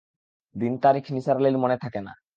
দিন-তারিখ নিসার আলির মনে থাকে না।